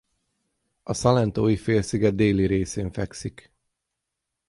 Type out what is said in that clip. A Salentói-félsziget déli részén fekszik.